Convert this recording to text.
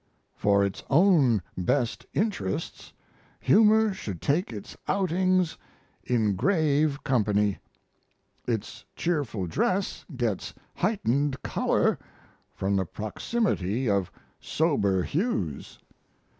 For its own best interests, humor should take its outings in grave company; its cheerful dress gets heightened color from the proximity of sober hues.